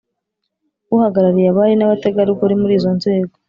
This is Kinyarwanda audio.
Uhagarariye Abari n Abategarugori muri izo nzego